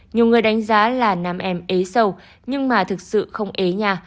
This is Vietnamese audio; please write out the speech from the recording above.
nhiều người đánh giá là nam em ế sâu nhưng mà thực sự không ế nhà